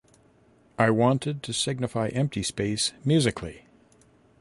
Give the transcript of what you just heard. I wanted to signify empty space musically.